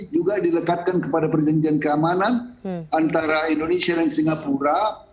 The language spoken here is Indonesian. juga dilekatkan kepada perjanjian keamanan antara indonesia dan singapura